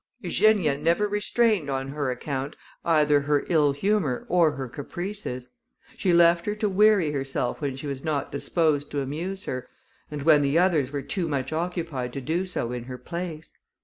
Eugenia never restrained on her account either her ill humour or her caprices. She left her to weary herself when she was not disposed to amuse her, and when the others were too much occupied to do so in her place.